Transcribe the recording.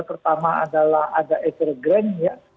pertama adalah ada evergrant ya